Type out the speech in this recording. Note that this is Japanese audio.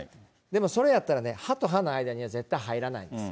でもそれやったらね、歯と歯の間にね、絶対入らないです。